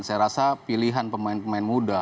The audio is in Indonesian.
saya rasa pilihan pemain pemain muda